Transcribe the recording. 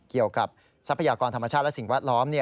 เกี่ยวกับทรัพยากรธรรมชาติและสิ่งวัดล้อม